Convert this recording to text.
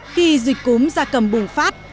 khi dịch cúm gia cầm bùng phát